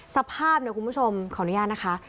สภาพเนี่ยคุณผู้ชมขออนุญาตนะคะ